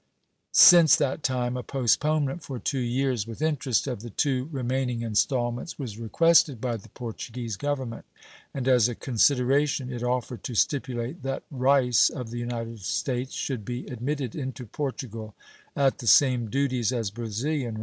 Since that time a postponement for two years, with interest, of the two remaining installments was requested by the Portuguese Government, and as a consideration it offered to stipulate that rice of the United States should be admitted into Portugal at the same duties as Brazilian rice.